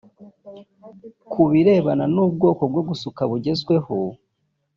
Ku birebana n’ubwoko bwo gusuka bugezweho